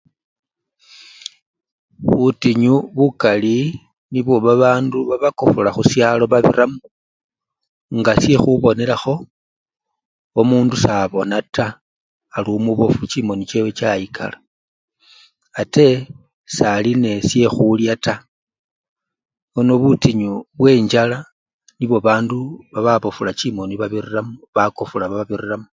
Butinyu bukali nibwo babandu babakobola khusyalo babiramo, nga syekhubonelakho omundu sabona taa ali omubofu chimoni chewe chayikala ate sali nende syekhulya taa, nono butinyu bwenchala nibwo babandu bababofula chimoni babiramo! bakofula babiriramo.